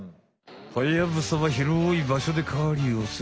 ハヤブサはひろいばしょで狩りをする。